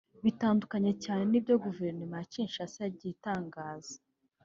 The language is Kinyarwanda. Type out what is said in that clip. bitandukanye cyane n’ibyo Guverinoma ya Kinshasa yagiye itangaza